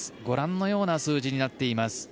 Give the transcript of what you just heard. ご覧のような数字になっています。